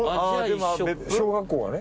小学校はね。